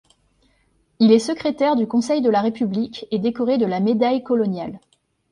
Il est secrétaire du Conseil de la République et décoré de la médaille coloniale.